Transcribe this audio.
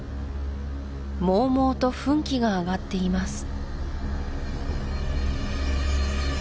もうもうと噴気が上がっています